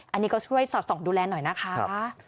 อันนี้ก็ช่วยสอดส่องดูแลหน่อยนะคะ